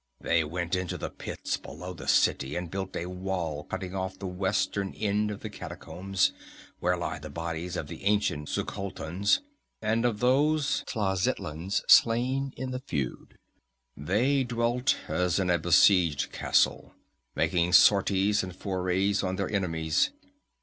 They went into the pits below the city and built a wall cutting off the western end of the catacombs, where lie the bodies of the ancient Xuchotlans, and of those Tlazitlans slain in the feud. They dwelt as in a besieged castle, making sorties and forays on their enemies.